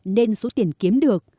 nên số tiền kiếm được